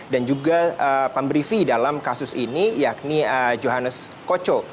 dan juga pemberi fee dalam kasus ini yakni johannes koco